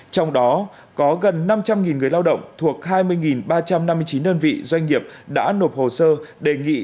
trong đó có gần năm trăm linh người lao động thuộc hai mươi ba trăm năm mươi chín đơn vị doanh nghiệp đã nộp hồ sơ đề nghị